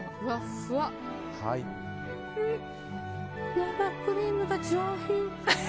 生クリームが上品！